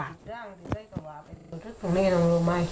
หลังต้องการอยุ่ทธิตรรมให้หลัก